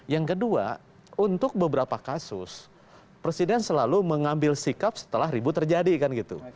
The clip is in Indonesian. yang kedua untuk beberapa kasus presiden selalu mengambil sikap setelah ribut terjadi kan gitu